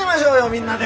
みんなで。